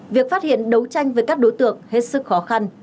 việc phát hiện đấu tranh với các đối tượng hết sức khó khăn